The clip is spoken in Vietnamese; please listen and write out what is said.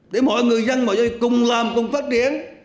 để mọi người gian mọi người cùng phát triển